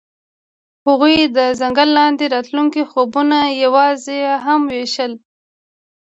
هغوی د ځنګل لاندې د راتلونکي خوبونه یوځای هم وویشل.